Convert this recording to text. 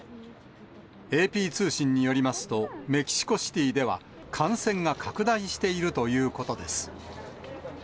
ＡＰ通信によりますと、メキシコシティでは感染が拡大しているということです。